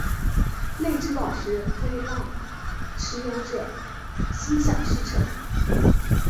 泪之宝石可以让持有者心想事成。